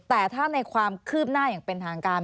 แต่ถ้าในความคืบหน้าอย่างเป็นทางการ